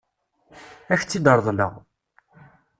Ad k-tt-id-reḍleɣ.